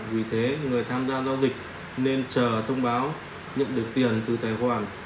vì thế người tham gia giao dịch nên chờ thông báo nhận được tiền từ tài khoản